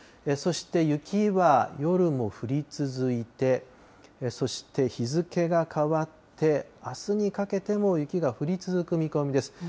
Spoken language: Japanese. そして雪は夜も降り続いて、そして日付が変わってあすにかけても雪が降り続く見込みです。